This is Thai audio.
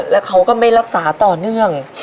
แล้วเขาก็ไม่รักษาต่อเนื่อง